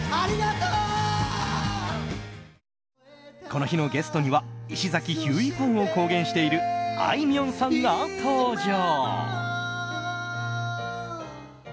この日のゲストには石崎ひゅーいファンを公言しているあいみょんさんが登場。